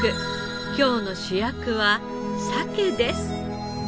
今日の主役はサケです。